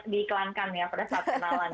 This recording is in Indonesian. pada saat kenalan